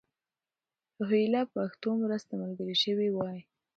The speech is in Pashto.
روهیله پښتنو مرسته ملګرې شوې وای.